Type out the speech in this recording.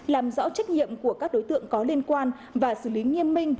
làm rõ trách nhiệm của các đối tượng có liên quan và xử lý nghiêm minh